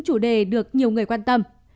chủ đề được nhiều người quan tâm